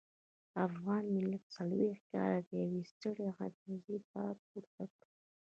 افغان ملت څلويښت کاله د يوې سترې غمیزې بار پورته کړ.